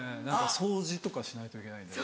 掃除とかしないといけないんで。